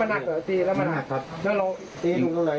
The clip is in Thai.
แล้วเราตีตรงไหน